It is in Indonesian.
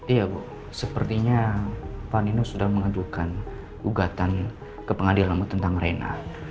iya bu sepertinya pak nino sudah mengadukan gugatan ke pengadilanmu tentang reina